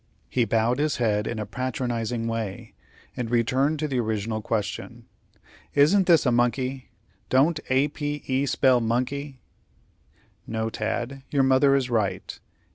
He bowed his head in a patronizing way, and returned to the original question: "Isn't this a monkey? Don't A p e spell monkey?" "No, Tad; your mother is right.